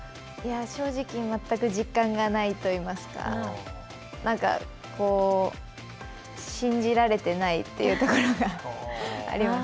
正直全く実感がないといいますかなんか信じられてないというところがあります。